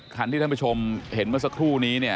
คันที่ท่านผู้ชมเห็นเมื่อสักครู่นี้เนี่ย